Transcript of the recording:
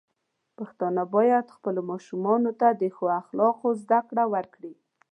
پښتانه بايد خپلو ماشومانو ته د ښو اخلاقو زده کړه ورکړي.